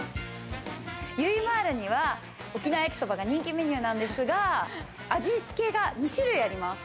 ゆいまるには沖縄焼きそばが人気メニューなんですが、味付けが２種類あります。